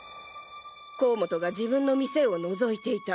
甲本が自分の店を覗いていた。